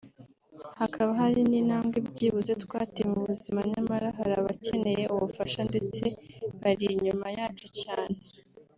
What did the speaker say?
hakaba hari n’intambwe byibuze twateye mu buzima nyamara hari abakeneye ubufasha ndetse bari inyuma yacu cyane